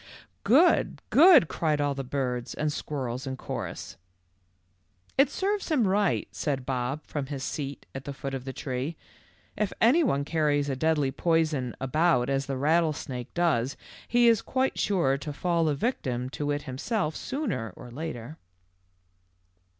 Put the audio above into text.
" Good ! Good !" cried all the birds and squirrels in chorus. "It serves him right," said Bob from his seat at the foot of the tree. w If any one carries a deadly poison about as the rattlesnake does he is quite sure to fall a victim to it himself sooner or later."